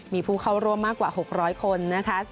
มีผู้เข้าร่วมมากกว่า๖๐๐คนนะคะ